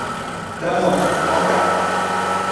Tlamo, onka.